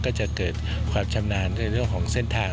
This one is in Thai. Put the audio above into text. ได้เกิดความชำนาญที่กับเส้นทาง